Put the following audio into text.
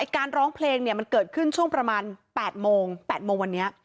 การร้องเพลงมันเกิดขึ้นช่วงประมาณ๘โมง๘โมงวันนี้